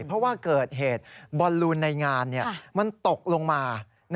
เพราะว่าเกิดเหตุบอลลูนในงานมันตกลงมา